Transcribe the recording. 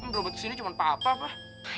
berobat di sini cuma papa pak